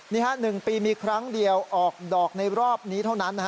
นี่ฮะ๑ปีมีครั้งเดียวออกดอกในรอบนี้เท่านั้น